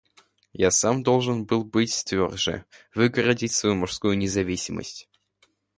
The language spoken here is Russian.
Я сам должен был быть тверже, выгородить свою мужскую независимость.